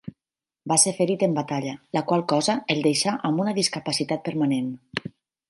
Va ser ferit en batalla, la qual cosa el deixà amb una discapacitat permanent.